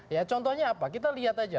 ya contohnya apa kita lihat aja